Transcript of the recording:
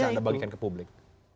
yang anda bagikan ke publik